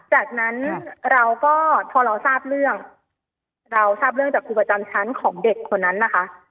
จากนั้นเราก็พอเราทราบเรื่องเราทราบเรื่องจากครูประจำชั้นของเด็กคนนั้นนะคะ